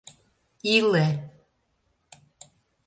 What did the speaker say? Иле!